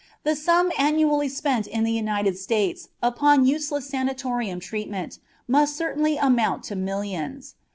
The sum annually spent in the United States upon useless sanatorium treatment must certainly amount to millions.